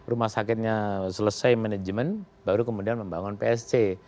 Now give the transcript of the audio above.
rumah sakitnya selesai manajemen baru kemudian membangun psc